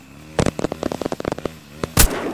ჰყავს სამი შვილი და სამი შვილიშვილი.